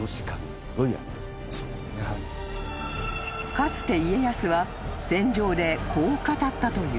［かつて家康は戦場でこう語ったという］